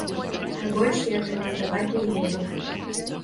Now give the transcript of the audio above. А больш я каментаваць не буду.